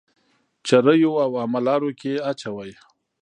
چريو او عامه لارو کي اچوئ.